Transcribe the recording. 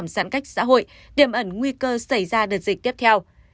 xã hội điểm ẩn nguy cơ xảy ra đợt dịch tiếp theo